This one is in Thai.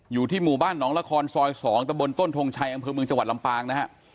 อยู่ที่หมู่บ้านหนองละครซอย๒ตะบนต้นทงชัยอำเภอเมืองจังหวัดลำปางนะฮะ